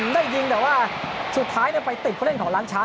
ได้ยิงแต่ว่าสุดท้ายไปติดผู้เล่นของร้านช้า